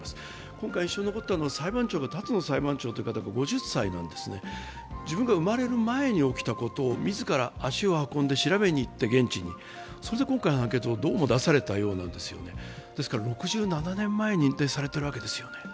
今回、印象に残ったのは裁判長が５０歳なんですね、自分が生まれる前に起きたことを、自ら足を運んで現地に調べに行ってそして今回の判決を出されたようなんですよねですから６７年前に認定されてるわけです。